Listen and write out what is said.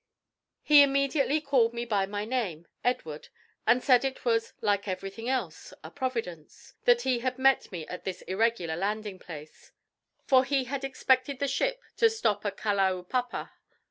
He immediately called me by my name, "Edward," and said it was "like everything else, a providence," that he had met me at that irregular landing place, for he had expected the ship to stop at Kalaupapa.